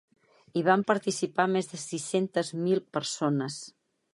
Hi van participar més de sis-centes mil persones.